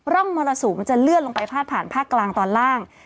ร่องมรสุมมันจะเลื่อนลงไปพาดผ่านภาคกลางตอนล่าง